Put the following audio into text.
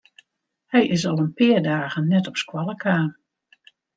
Hy is al in pear dagen net op skoalle kaam.